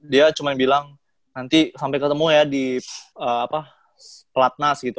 dia cuma bilang nanti sampai ketemu ya di pelatnas gitu